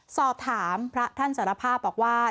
สอบถามพระท่านสารภาพบอกว่า